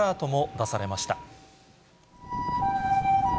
出されました。